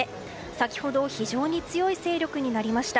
先ほど非常に強い勢力になりました。